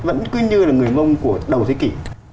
vẫn cứ như là người mông của đầu thế kỷ